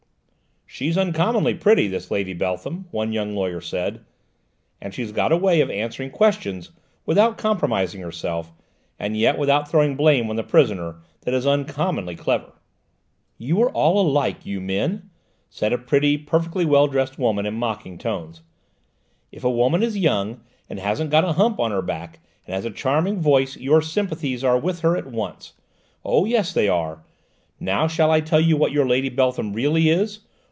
"She's uncommonly pretty, this Lady Beltham," one young lawyer said, "and she's got a way of answering questions without compromising herself, and yet without throwing blame on the prisoner, that is uncommonly clever." "You are all alike, you men," said a pretty, perfectly dressed woman in mocking tones; "if a woman is young, and hasn't got a hump on her back, and has a charming voice, your sympathies are with her at once! Oh, yes, they are! Now shall I tell you what your Lady Beltham really is?